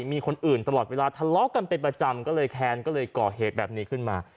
มีคนอื่นตลอดเวลาทะเลาะกันเป็นประจำก็เลยแค้นก็เลยก่อเหตุแบบนี้ขึ้นมา